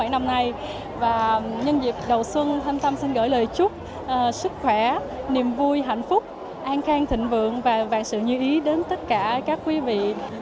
sáu bảy năm nay nhân dịp đầu xuân thành tâm xin gửi lời chúc sức khỏe niềm vui hạnh phúc an can thịnh vượng và sự như ý đến tất cả các quý vị